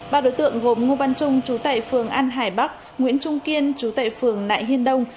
ba đối tượng gồm ngô văn trung trú tại phường an hải bắc nguyễn trung kiên trú tại phường nại hiên đông